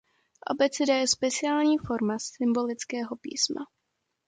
Abeceda je speciální forma symbolického písma.